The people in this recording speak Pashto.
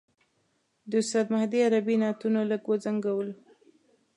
د استاد مهدي عربي نعتونو لږ وځنګولو.